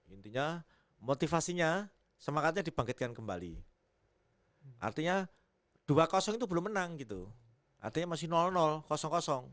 intinya motivasinya semangatnya dibangkitkan kembali artinya dua itu belum menang gitu artinya masih kosong kosong